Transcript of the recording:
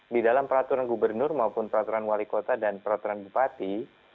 di dalam peraturan gubernur maupun peraturan wali kota dan peraturan bupati